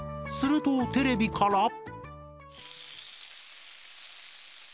するとテレビから。